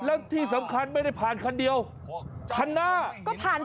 แล้วที่สำคัญไม่ได้ผ่านคันเดียวคันหน้าก็ผ่าน